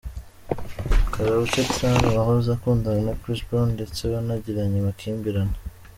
Karrueche Tran wahoze akundana na Chris Brown ndetse wanagiranye amakimbirane.